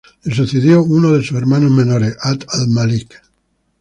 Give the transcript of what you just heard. Le sucedió uno de sus hermanos menores, 'Abd al-Malik.